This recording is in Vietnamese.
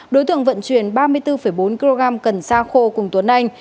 đối tượng vận chuyển ba mươi bốn bốn kg cần sa khô cùng tuấn anh